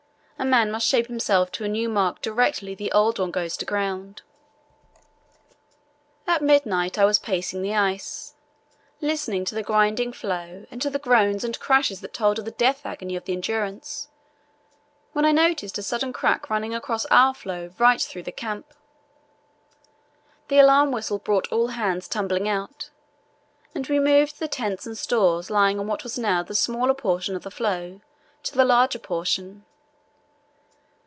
A man must shape himself to a new mark directly the old one goes to ground. At midnight I was pacing the ice, listening to the grinding floe and to the groans and crashes that told of the death agony of the Endurance, when I noticed suddenly a crack running across our floe right through the camp. The alarm whistle brought all hands tumbling out, and we moved the tents and stores lying on what was now the smaller portion of the floe to the larger portion.